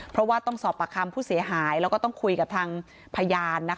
เพราะว่าต้องสอบปากคำผู้เสียหายแล้วก็ต้องคุยกับทางพยาน